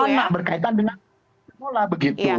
anak berkaitan dengan sekolah begitu